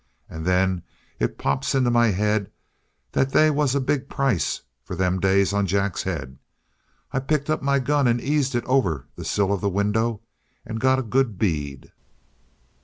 And then it pops into my head that they was a big price, for them days, on Jack's head. I picked up my gun and eased it over the sill of the window and got a good bead.